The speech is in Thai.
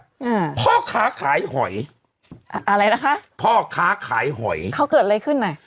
อืมพ่อค้าขายหอยอะไรนะคะพ่อค้าขายหอยเขาเกิดอะไรขึ้นน่ะ